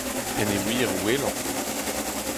en e wir wellañ